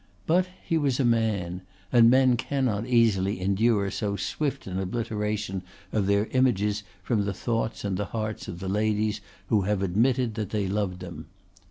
But he was a man; and men cannot easily endure so swift an obliteration of their images from the thoughts and the hearts of the ladies who have admitted that they loved them.